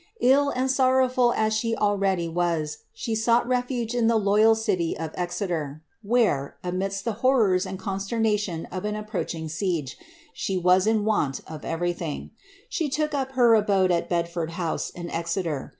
Ill and sorrowful as she already wa5, she sought refuge in the loyal city of Exeter, where, amidst the hor rors and consternation of an approaching siege, she was in want of every ihing. She took up her abode at Bedford House, in Exeter.